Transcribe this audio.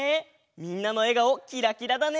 みんなのえがおキラキラだね。